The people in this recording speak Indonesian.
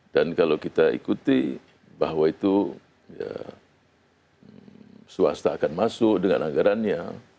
dan kalau kita ikuti bahwa itu swasta akan masuk dengan anggarannya